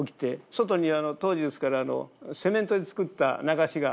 外にあの当時ですからセメントで作った流しが。